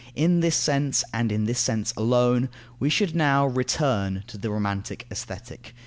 In this sense, and in this sense alone, we should now "return" to the romantic Aesthetic.